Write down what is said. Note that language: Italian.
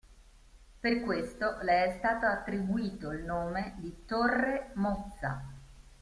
Per questo le è stato attribuito il nome di Torre Mozza.